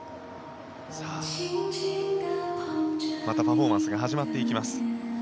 またパフォーマンスが始まっていきます。